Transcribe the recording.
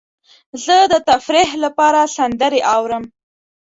زه د تفریح لپاره سندرې اورم.